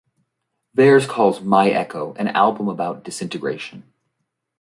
Veirs calls "My Echo" "an album about disintegration".